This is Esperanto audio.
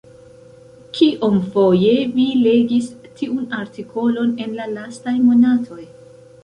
Kiomfoje vi legis tiun artikolon en la lastaj monatoj?